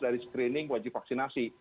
dari screening wajib vaksinasi